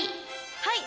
はい。